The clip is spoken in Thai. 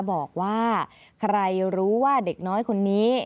บอกว่าใครรู้ว่าเด็กน้อยคนนี้